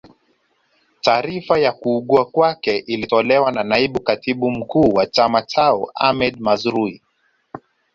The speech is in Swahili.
Taarifa ya kuugua kwake ilitolewa na naibu katibu mkuu wa chama chao Ahmed Mazrui